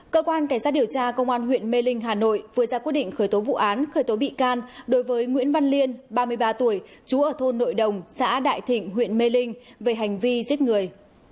cơ quan cảnh sát điều tra công an huyện mê linh hà nội vừa ra quyết định khởi tố vụ án khởi tố bị can đối với nguyễn văn liên ba mươi ba tuổi chú ở thôn nội đồng xã đại thịnh huyện mê linh về hành vi giết người